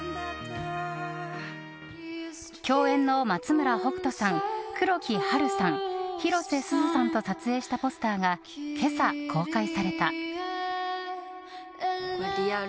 共演の松村北斗さん、黒木華さん広瀬すずさんと撮影したポスターが今朝、公開された。